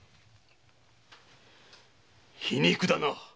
皮肉だな。